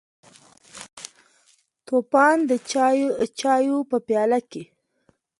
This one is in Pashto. توپان د چایو په پیاله کې: